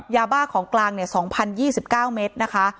ยาบ้าของกลางเนี้ยสองพันยี่สิบเก้าเมตรนะคะ